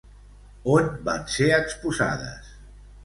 On van ser exposades?